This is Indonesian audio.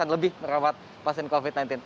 lebih merawat pasien covid sembilan belas